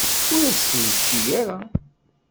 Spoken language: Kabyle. Ur as-t-yečči ara.